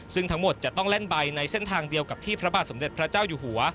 ซึ่งทั้งหมดจะต้องเล่นใบในเส้นทางเดียวกับที่พระบาทสมเด็จพระเจ้าอยู่หัว